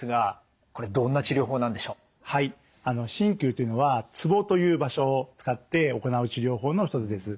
鍼灸っていうのはツボという場所を使って行う治療法の一つです。